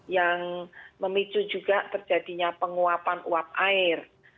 yang memicu juga terjadinya penguapan uap air